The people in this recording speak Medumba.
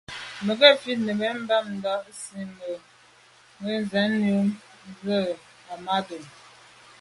Mə̀ gə ̀fít nə̀ bɑ́mə́ tà' nsí mə̄ gə́ cɛ̌d yə́ bú cɛ̌d Ahmadou.